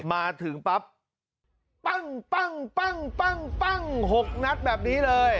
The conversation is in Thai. มาถึงปั๊บปั้งปั้งปั้งปั้งปั้งหกนัดแบบนี้เลย